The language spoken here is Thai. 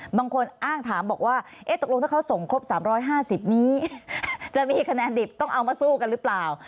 บางคนอ้างถามบอกว่าตกลงถ้าเขาส่งครบ๓๕๐นี้จะมีคะแนนดิบต้องเอามาสู้กันหรือเปล่า